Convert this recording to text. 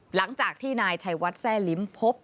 หลังจากที่นายชัยวัดแทร่ลิ้มพบ